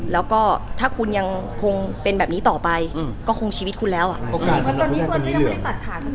แล้วก็ถ้าคุณยังคงเป็นแบบนี้ต่อไปก็คงชีวิตคุณแล้วอ่ะ